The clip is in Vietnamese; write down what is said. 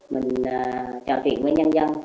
mình trò chuyện với nhân dân